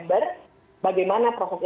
lihat dulu akar masalahnya